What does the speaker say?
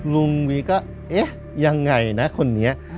ลุงวีก็เอ๊ะยังไงนะคนนี้